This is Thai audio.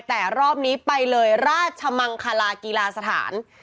แต่รอบนี้ไปเลยราชมังคลากีฬาสถาน